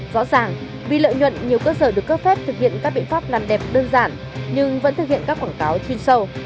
rõ ràng vì lợi nhuận nhiều cơ sở được cấp phép thực hiện các biện pháp làm đẹp đơn giản nhưng vẫn thực hiện các quảng cáo chuyên sâu